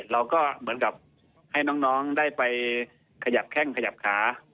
เราก็เหมือนกับให้น้องได้ไปขยับแข้งขยับขา